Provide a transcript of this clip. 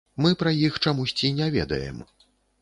Мы пра іх чамусьці не ведаем.